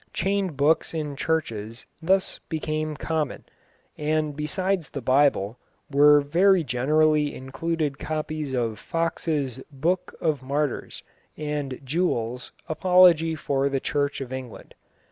Chained books in churches thus became common, and besides the Bible, very generally included copies of Fox's Book of Martyrs and Jewel's Apology for the Church of England.